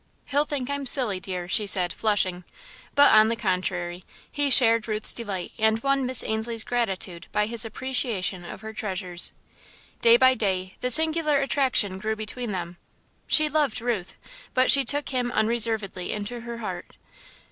"He'll think I'm silly, dear," she said, flushing; but, on the contrary, he shared Ruth's delight, and won Miss Ainslie's gratitude by his appreciation of her treasures. Day by day, the singular attraction grew between them. She loved Ruth, but she took him unreservedly into her heart.